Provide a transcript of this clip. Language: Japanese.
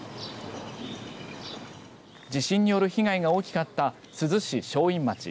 地震による被害が大きかった珠洲市正院町。